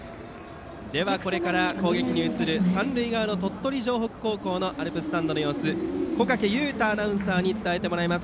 ではこれから攻撃に移る三塁側、鳥取城北高校のアルプススタンドの様子を小掛雄太アナウンサーに伝えてもらいます。